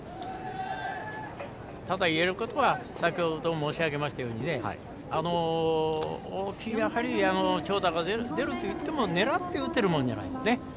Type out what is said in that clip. ただ言えることは先ほども申し上げましたように大きい長打が出るといっても狙って打てるものじゃないですね。